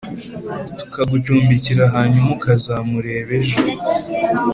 tukagucumbikira hanyuma ukazamureba ejo